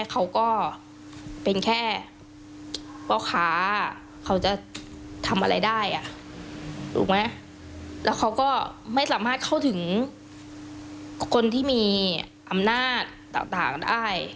เขาก็เป็นแค่พ่อค้าเขาจะทำอะไรได้อ่ะถูกไหมแล้วเขาก็ไม่สามารถเข้าถึงคนที่มีอำนาจต่างได้